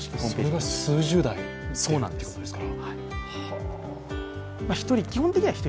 それが数十台ということですか。